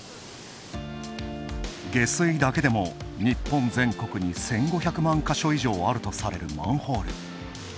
下水だけでも日本全国に１５００万か所以上あるとされるマンホール。